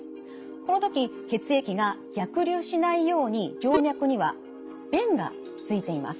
この時血液が逆流しないように静脈には弁がついています。